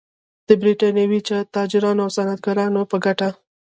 د برېټانوي تاجرانو او صنعتکارانو په ګټه و.